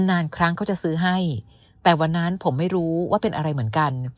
นานครั้งเขาจะซื้อให้แต่วันนั้นผมไม่รู้ว่าเป็นอะไรเหมือนกัน